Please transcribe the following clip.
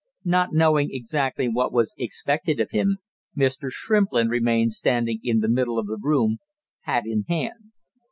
Not knowing exactly what was expected of him, Mr. Shrimplin remained standing in the middle of the room, hat in hand.